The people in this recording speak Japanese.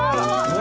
何？